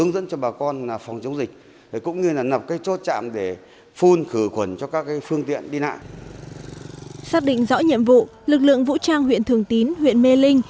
xác định rõ nhiệm vụ lực lượng vũ trang huyện thường tín huyện mê linh